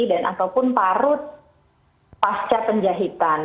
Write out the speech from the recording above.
dan ataupun parut pasca penjahitan